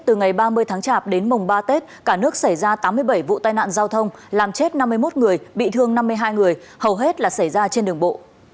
từ ngày ba mươi tháng chạp đến mùng ba tết cả nước xảy ra tám mươi bảy vụ tai nạn giao thông làm chết năm mươi một người bị thương năm mươi hai người hầu hết là xảy ra trên đường bộ